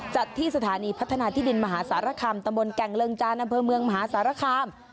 จัดที่สถานีพัฒนาที่ดินมหาสารคามตะบนแก่งเริงจานอำเภอเมืองมหาสารคาม